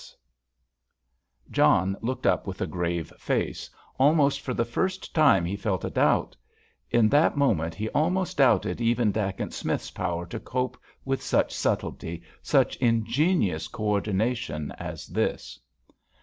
—S._" John looked up with a grave face. Almost for the first time he felt a doubt. In that moment he almost doubted even Dacent Smith's power to cope with such subtlety, such ingenious co ordination as this.